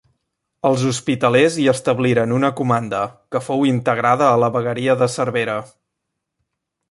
Els hospitalers hi establiren una comanda, que fou integrada a la vegueria de Cervera.